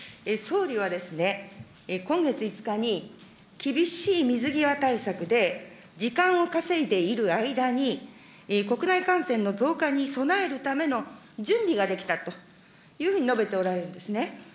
総理はですね、今月５日に厳しい水際対策で、時間を稼いでいる間に、国内感染の増加に備えるための準備ができたというふうに述べておられるんですね。